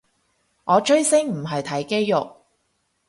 我追星唔係睇肌肉